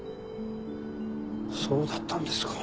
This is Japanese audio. そうだったんですか。